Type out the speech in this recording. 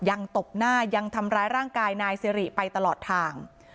ตบหน้ายังทำร้ายร่างกายนายสิริไปตลอดทาง